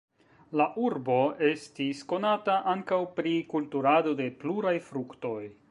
La urbo estis konata ankaŭ pri kulturado de pluraj fruktoj.